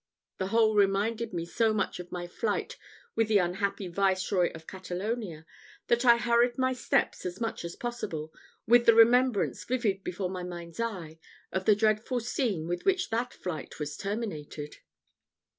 The whole reminded me so much of my flight with the unhappy Viceroy of Catalonia, that I hurried my steps as much as possible, with the remembrance vivid before my mind's eye, of the dreadful scene with which that flight was terminated.